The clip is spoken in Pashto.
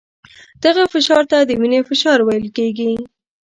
دغه فشار ته د وینې فشار ویل کېږي.